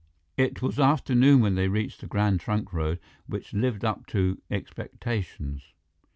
It was afternoon when they reached the Grand Trunk Road, which lived up to expectations.